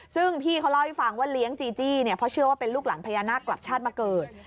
ซึ่งพี่เขาเล่าให้ฟังว่าเลี้ยงจีจี้เนี่ยเพราะเชื่อว่าเป็นลูกหลานพญานาคกลับชาติมาเกิด